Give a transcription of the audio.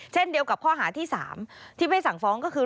เช่นเดียวกับข้อหาที่๓ที่ไม่สั่งฟ้องก็คือ